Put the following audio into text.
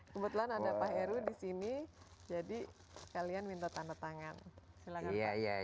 kebetulan ada pak heru di sini jadi kalian minta tanda tangan silahkan pak kiai